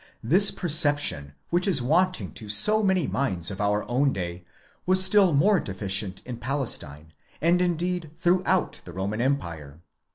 This perception which is wanting to so many minds of our own day was still more deficient in Palestine, and indeed throughout the Roman empire.